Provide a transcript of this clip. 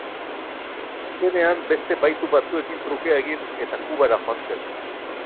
Azkenean beste bahitu batzuekin trukea egin eta Kubara joan zen.